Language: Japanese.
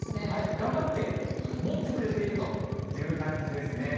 頑張ってもってくれているという感じですね。